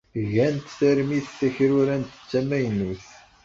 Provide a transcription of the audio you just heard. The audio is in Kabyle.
Gant tarmit takrurant d tamaynut.